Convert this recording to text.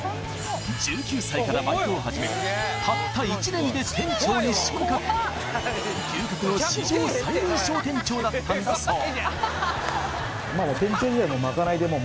１９歳からバイトを始めたった１年で店長に昇格牛角の史上最年少店長だったんだそう